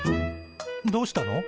どうしたの？